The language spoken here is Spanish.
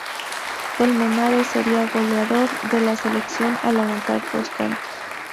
Colmenares sería goleador de la selección al anotar dos tantos.